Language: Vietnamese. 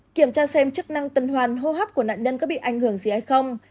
kiểm tra xem chức năng tuần hoàn hô hấp của nạn nhân có bị ảnh hưởng gì hay không